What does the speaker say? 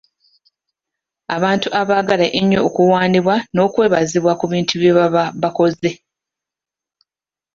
Abantu abaagala ennyo okuwaanibwa n'okwebazibwa ku bintu bye baba bakoze.